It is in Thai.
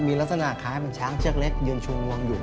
มีลักษณะคล้ายเหมือนช้างเชือกเล็กยืนชูงวงอยู่